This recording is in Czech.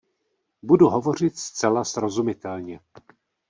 Budu hovořit zcela srozumitelně.